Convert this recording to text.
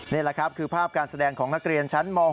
นี่แหละครับคือภาพการแสดงของนักเรียนชั้นม๖